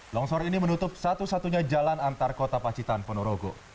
longsor ini menutup satu satunya jalan antar kota pacitan ponorogo